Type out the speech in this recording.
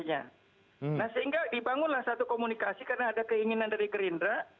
nah sehingga dibangunlah satu komunikasi karena ada keinginan dari gerindra